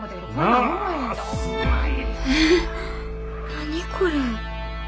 何これ。